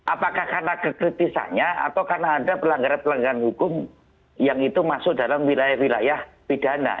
apakah karena kekritisannya atau karena ada pelanggaran pelanggaran hukum yang itu masuk dalam wilayah wilayah pidana